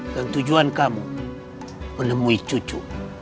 tentujuan kamu menemui cucu